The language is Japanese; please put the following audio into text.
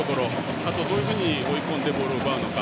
あと、どういうふうに追い込んでボールを奪うのか。